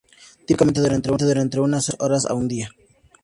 Típicamente dura entre unas pocas horas a un día.